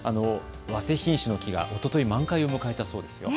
わせ品種の木がおととい満開を迎えたそうです。